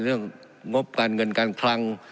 เรื่องงบกันเงินกันคลัง